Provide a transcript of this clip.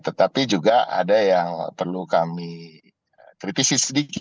tetapi juga ada yang perlu kami kritisi sedikit